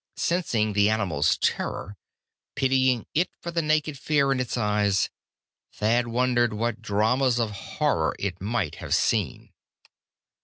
Sensing the animal's terror, pitying it for the naked fear in its eyes, Thad wondered what dramas of horror it might have seen.